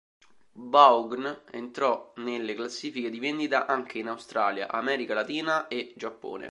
Vaughn entrò nelle classifiche di vendita anche in Australia, America Latina e Giappone.